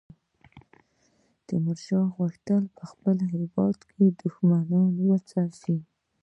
تیمورشاه غوښتل په خپل هیواد کې دښمنان وځپي.